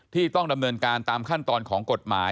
ที่ต้องดำเนินการตามขั้นตอนของกฎหมาย